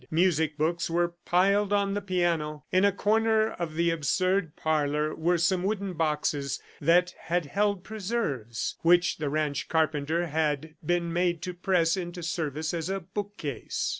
Music books were piled on the piano. In a corner of the absurd parlor were some wooden boxes that had held preserves, which the ranch carpenter had been made to press into service as a bookcase.